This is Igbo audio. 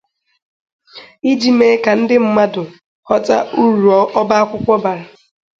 iji mee ka ndị mmadụ ghọta urù ọba kwụkwọ bara